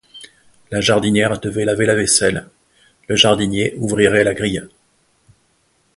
La jardinière devait laver la vaisselle, le jardinier ouvrirait la grille.